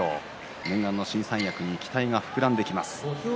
念願の新三役に期待が膨らんでいきます。